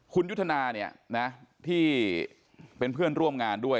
คุณยุทธนาเนี่ยนะที่เป็นเพื่อนร่วมงานด้วย